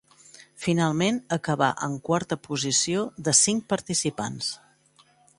Finalment acabà en quarta posició de cinc participants.